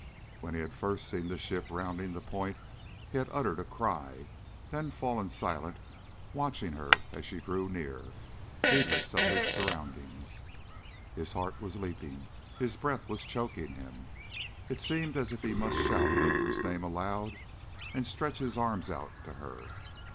When he had first seen the ship rounding the point he had uttered a cry, then fallen silent watching her as she drew near, heedless of his surroundings. His heart was leaping, his breath was choking him. It seemed as if he must shout Mildred's name aloud and stretch his arms out to her.